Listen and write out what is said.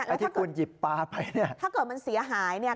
ไอ้ที่คุณหยิบปลาไปเนี่ยถ้าเกิดมันเสียหายเนี่ย